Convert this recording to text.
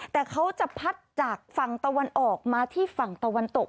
แต่เขาจะพัดจากฝั่งตะวันออกมาที่ฝั่งตะวันตก